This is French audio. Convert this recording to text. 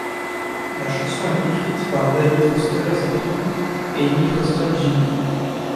La chanson est écrite par David Foster et sa fille, Amy Foster-Gillies.